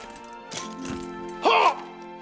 はっ！